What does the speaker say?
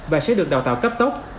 và sẽ được đào tạo cấp tốc